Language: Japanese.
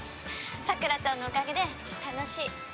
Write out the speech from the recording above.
さくらちゃんのおかげで楽しい。